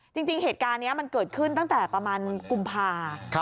จริงเหตุการณ์นี้มันเกิดขึ้นตั้งแต่ประมาณกุมภา